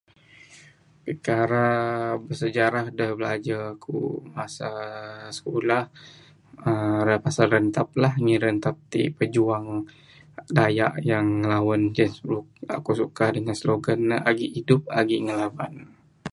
Pikara bisejarah da bilajar aku' masa sikulah, uhh pasal Rentap lah. Ngin Rentap ti' pejuang Dayak yang ngilawan James Brooke. Aku' suka dengan slogan ne, agi idup agi ngelaban.